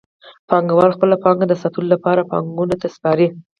پانګوال خپله پانګه د ساتلو لپاره بانکونو ته سپاري